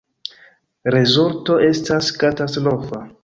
Rezulto estas katastrofa.